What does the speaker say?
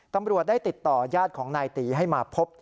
ตำรวจได้ติดต่อยาดของนายตีให้มาพบ